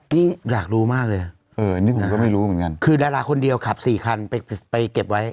ยิ่งอยากรู้มากเลยผมก็ไม่รู้เหมือนกันคือดาราคนเดียวขับสี่คันไปไปเก็บไว้